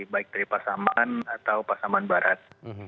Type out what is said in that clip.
baik dari pasaman atau pasaman barat